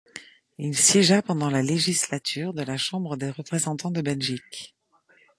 Il siégea pendant la législature de la Chambre des représentants de Belgique.